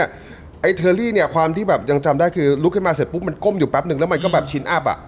ไอ้เทอรี่เนี่ยความที่แบบยังจำได้คือลุกขึ้นมาเสร็จปุ๊บมันก้มอยู่แป๊บนึงแล้วมันก็แบบชินอัพอ่ะ